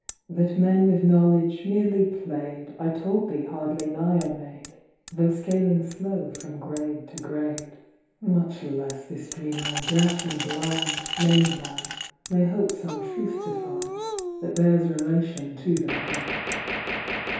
"That men with knowledge merely play'd, I told thee—hardly nigher made, Tho' scaling slow from grade to grade; "Much less this dreamer, deaf and blind, Named man, may hope some truth to find, That bears relation to the mind.